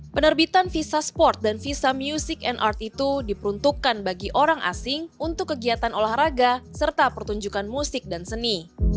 penerbitan visa sport dan visa music and art itu diperuntukkan bagi orang asing untuk kegiatan olahraga serta pertunjukan musik dan seni